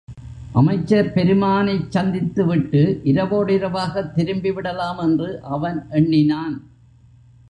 அமைச்சர் பெருமானைச் சந்தித்துவிட்டு இரவோடிரவாகத் திரும்பிவிடலாமென்று அவன் எண்ணினான்.